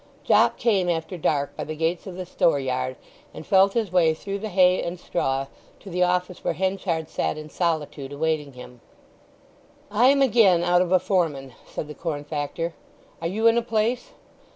Jopp came after dark, by the gates of the storeyard, and felt his way through the hay and straw to the office where Henchard sat in solitude awaiting him. "I am again out of a foreman," said the corn factor. "Are you in a place?"